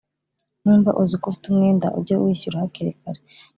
Nimba uziko ufite umwenda ujye uwishyura hakiri kare